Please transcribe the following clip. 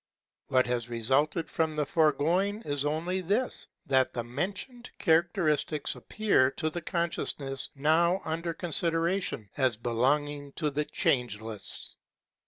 What has resulted from the foregoing is only this, that the mentioned characteristics appear, to the consciousness now under consideration, as belonging to the Changeless.